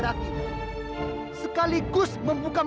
tidak aku tidak akan kentang apapun